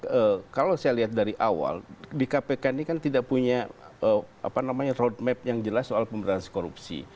karena kalau saya lihat dari awal di kpk ini kan tidak punya roadmap yang jelas soal pemberantasan korupsi